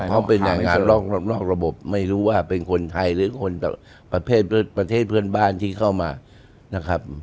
เขาเป็นอย่างนั้นนอกระบบไม่รู้ว่าเป็นคนไทยหรือคนประเภทประเทศเพื่อนบ้านที่เข้ามานะครับ